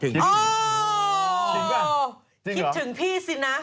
คิดถึงพี่สินะ